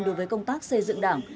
đối với công tác xây dựng đảng